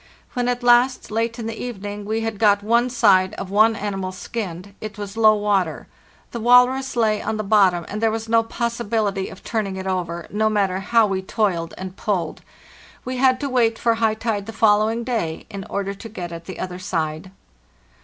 When at last, late in the evening, we had got one side of one animal skinned, it was low water; the walrus lay on the bottom, and there was no possibility of turning it over, no matter how we toiled and pulled. We had to wait for high tide the following day, in order to get at the other side.